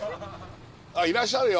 あっいらっしゃるよ。